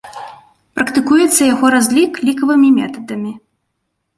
Практыкуецца яго разлік лікавымі метадамі.